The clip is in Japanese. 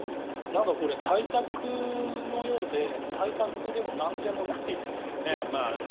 これ、対策のようで対策でもなんでもないですよね。